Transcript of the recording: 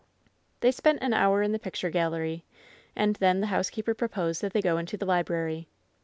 They spent an hour in the picture gallery, and then the housekeeper proposed that they go into the library.